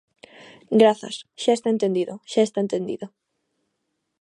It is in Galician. Grazas, xa está entendido, xa está entendido.